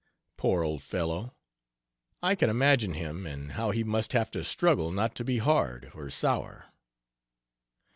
Poor old fellow! I can imagine him, and how he must have to struggle not to be hard or sour."